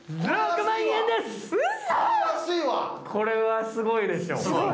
これはすごいでしょう。